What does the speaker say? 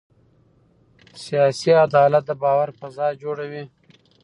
سیاسي عدالت د باور فضا جوړوي